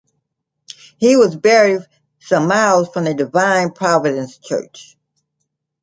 He was buried some miles from the Divine Providence Church.